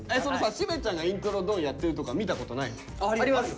しめちゃんがイントロドンやってるとこは見たことないの？あります。